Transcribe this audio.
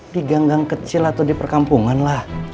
di gang gang kecil atau di perkampungan lah